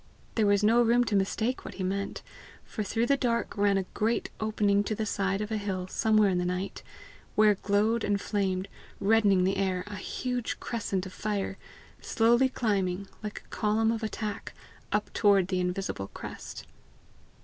There was no room to mistake what he meant, for through the dark ran a great opening to the side of a hill, somewhere in the night, where glowed and flamed, reddening the air, a huge crescent of fire, slowly climbing, like a column of attack, up toward the invisible crest.